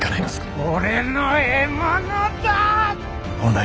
俺の獲物だ！